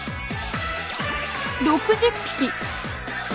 ６０匹。